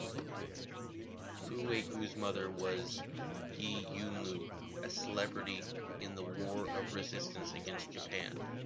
Fu Weigu's mother was Ye Yinlu, a celebrity in the War of Resistance Against Japan.